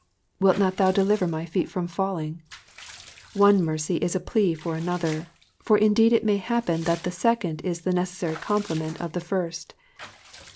Wilt not thou deliver my feet from falling V^ One mercy is a plea for another, for indeed it may happen that the second is the necessary complement of the first.